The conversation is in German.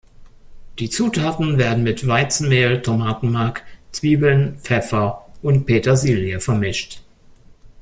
Die Zutaten werden mit Weizenmehl, Tomatenmark, Zwiebeln, Pfeffer und Petersilie vermischt.